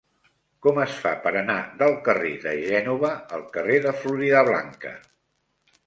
Com es fa per anar del carrer de Gènova al carrer de Floridablanca?